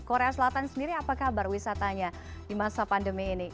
korea selatan sendiri apa kabar wisatanya di masa pandemi ini